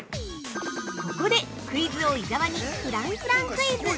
◆ここでクイズ王・伊沢にフランフランクイズ。